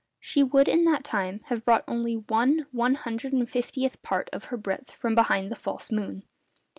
She would, in that time, have brought only one one hundred and fiftieth part of her breadth from behind the false moon.